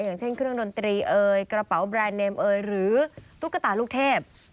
อย่างเช่นเครื่องดนตรีเอ่ยกระเป๋าแบรนด์เนมเอยหรือตุ๊กตาลูกเทพ